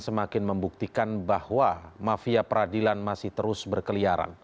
semakin membuktikan bahwa mafia peradilan masih terus berkeliaran